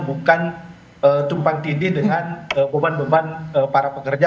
bukan tumpang tindih dengan beban beban para pekerja